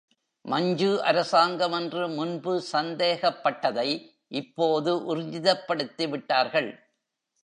மஞ்சு அரசாங்கம் என்று முன்பு சந்தேகப்பட்டதை இப்போது ஊர்ஜிதப்படுத்தி விட்டார்கள்.